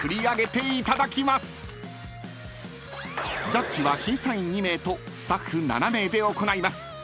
［ジャッジは審査員２名とスタッフ７名で行います］